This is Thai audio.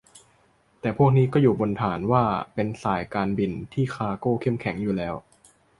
แต่พวกนี้ก็อยู่บนฐานว่าเป็นสายการบินที่คาร์โก้เข้มแข็งอยู่แล้ว